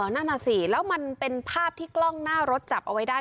นั่นน่ะสิแล้วมันเป็นภาพที่กล้องหน้ารถจับเอาไว้ได้